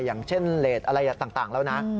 อย่างเช่นเลสอะไรต่างแล้วนะ